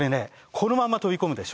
このまま飛び込むでしょ？